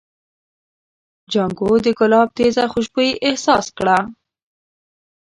جانکو د ګلاب تېزه خوشبويي احساس کړه.